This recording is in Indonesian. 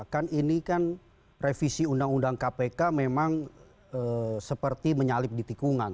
kan ini kan revisi undang undang kpk memang seperti menyalip di tikungan